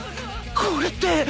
これって。